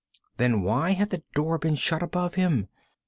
Then why had the door been shut above him?